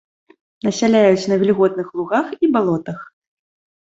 Насяляюць на вільготных лугах і балотах.